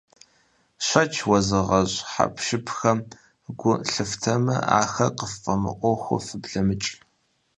Шэч уэзыгъэщӀ хьэпшыпхэм гу лъыфтэмэ, ахэр къыффӀэмыӀуэхуу фыблэмыкӀ.